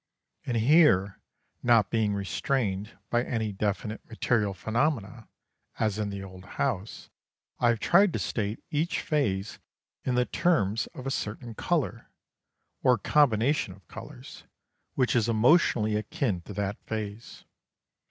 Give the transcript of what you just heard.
And here, not being restrained by any definite material phenomena, as in the Old House, I have tried to state each phase in the terms of a certain colour, or combination of colours, which is emotionally akin to that phase.